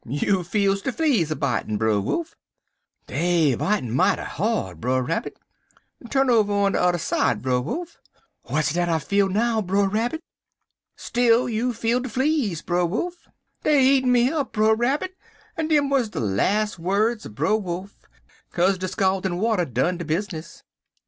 "'You feels de fleas a bitin', Brer Wolf.' "'Dey er bitin' mighty hard, Brer Rabbit.' "'Tu'n over on de udder side, Brer Wolf.' "'W'at dat I feel now, Brer Rabbit?' "'Still you feels de fleas, Brer Wolf.' "'Dey er eatin' me up, Brer Rabbit,' en dem wuz de las words er Brer Wolf, kase de scaldin' water done de bizness.